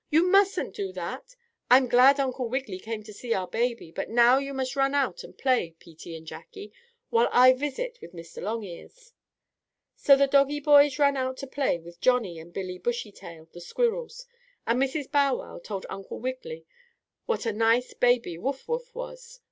"You mustn't do that! I'm glad Uncle Wiggily came to see our baby, but now you run out and play, Peetie and Jackie, while I visit with Mr. Longears." So the doggie boys ran out to play with Johnnie and Billie Bushytail, the squirrels, and Mrs. Bow Wow told Uncle Wiggily what a nice baby Wuff Wuff was.